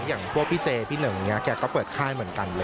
อย่างพวกพี่เจพี่เหนิงเนี่ยแกก็เปิดค่ายเหมือนกัน